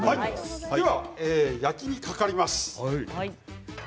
では焼きにかかります。